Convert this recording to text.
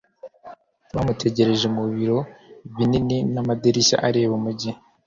bamutegereje mu biro binini n'amadirishya areba Umujyi